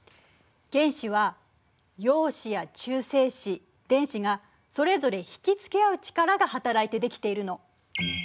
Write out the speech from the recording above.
原子は陽子や中性子電子がそれぞれ引き付け合う力が働いて出来ているの。